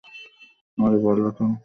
আরে বলো তো।